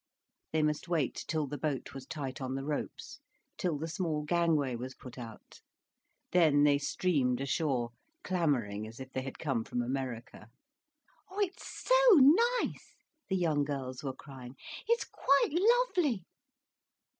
They must wait till the boat was tight on the ropes, till the small gangway was put out. Then they streamed ashore, clamouring as if they had come from America. "Oh it's so nice!" the young girls were crying. "It's quite lovely."